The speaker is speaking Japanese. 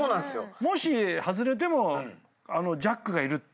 もし外れてもジャックがいる。